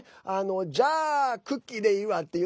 じゃあ、クッキーでいいわっていうね。